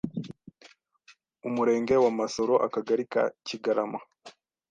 Umurenge wa Masoro, Akagari ka Kigarama,